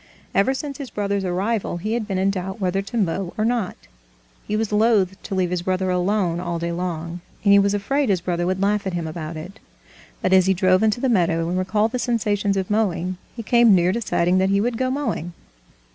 Ever since his brother's arrival, he had been in doubt whether to mow or not. He was loath to leave his brother alone all day long, and he was afraid his brother would laugh at him about it. But as he drove into the meadow, and recalled the sensations of mowing, he came near deciding that he would go mowing.